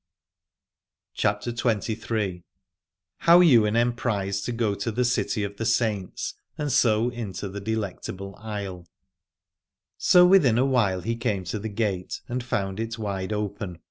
144 CHAPTER XXIII. HOW YWAIN EMPRISED TO GO TO THE CITY OF THE SAINTS AND SO INTO THE DELECTABLE ISLE. So within a while he came to the gate, and found it wide open.